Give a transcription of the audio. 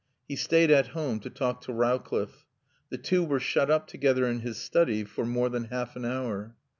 He stayed at home to talk to Rowcliffe. The two were shut up together in his study for more than half an hour.